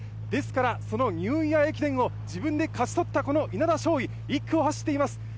ですからそのニューイヤー駅伝を自分で勝ち取った稲田翔威、１区を走っています。